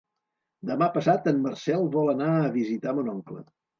Demà passat en Marcel vol anar a visitar mon oncle.